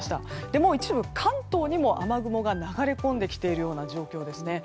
もう一部、関東にも雨雲が流れ込んできているような状況ですね。